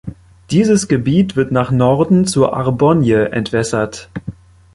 Dieses Gebiet wird nach Norden zur Arbogne entwässert.